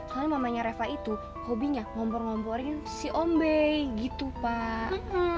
kalau mamanya reva itu hobinya ngompor ngomporin si ombe gitu pak